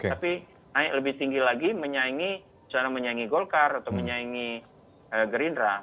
tapi naik lebih tinggi lagi misalnya menyaingi golkar atau menyaingi gerindra